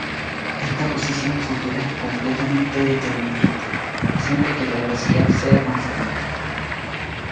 Esta posición futura es completamente determinista, siempre que la velocidad sea constante.